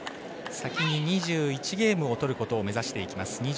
先に２１ポイントを取ることを目指していきます。